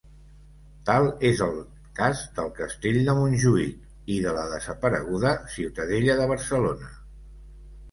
Tal és el cas del Castell de Montjuïc i de la desapareguda Ciutadella de Barcelona.